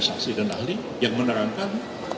saksi dan ahli yang menerangkan